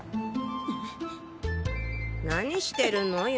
何してるの？